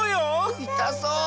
いたそう！